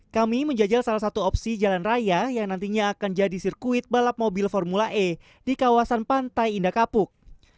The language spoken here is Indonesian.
kami menjajal salah satu opsi jalan raya yang nantinya akan jadi sirkuit balap mobil formula e di kawasan pantai indah kapuk